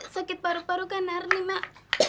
sakit paru paru kan arni mak